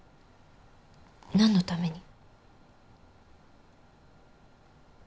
何のために？